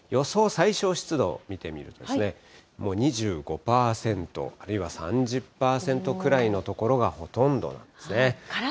最小湿度を見てみるとですね、もう２５％、あるいは３０％くらいの所がほとんどなんですね。